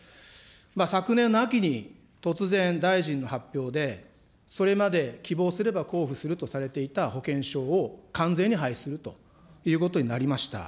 昨年の秋に突然大臣の発表で、それまで、希望すれば交付するとされていた保険証を完全に廃止するということになりました。